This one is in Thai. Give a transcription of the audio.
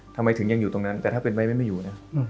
ทำไมถึงยังอยู่ตรงนั้นแต่ถ้าเป็นไว้ไม่อยู่นะ